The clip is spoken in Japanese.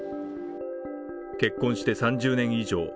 結婚して３０年以上。